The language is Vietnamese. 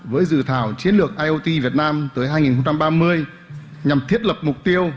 với dự thảo chiến lược iot việt nam tới hai nghìn ba mươi nhằm thiết lập mục tiêu